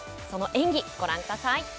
その演技、ご覧ください。